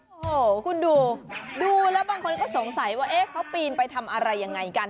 โอ้โหคุณดูดูแล้วบางคนก็สงสัยว่าเอ๊ะเขาปีนไปทำอะไรยังไงกัน